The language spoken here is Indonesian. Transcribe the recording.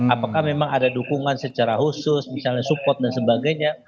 apakah memang ada dukungan secara khusus misalnya support dan sebagainya